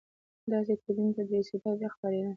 داسې تدین تدریسېده او بیا خپرېده.